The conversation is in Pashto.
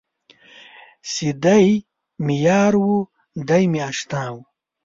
چې دی مې یار و دی مې اشنا و.